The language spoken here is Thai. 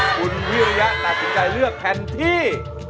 คุณวิริยะแล้วที่จะเลือกแผ่นที่